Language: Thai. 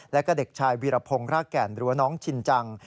แล้วก็เด็กชายวีรพงศ์รากแก่นหรือว่าน้องชินจัง